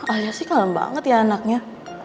ayah sih kalem banget ya anaknya